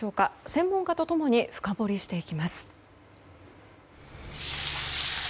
専門家と共に深掘りしていきます。